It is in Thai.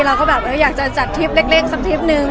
เราก็แบบอยากจะจัดทริปเล็กสักทริปนึง